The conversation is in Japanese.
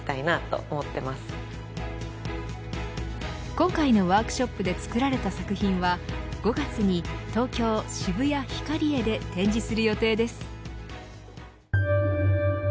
今回のワークショップで作られた作品は５月に東京、渋谷ヒカリエで展示する予定です。